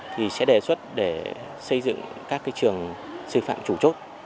thì sẽ đề xuất để xây dựng các trường sư phạm chủ chốt